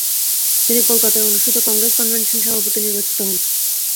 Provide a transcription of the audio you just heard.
তিনি কলকাতায় অনুষ্ঠিত কংগ্রেস কনভেনশন সভাপতি নির্বাচিত হন।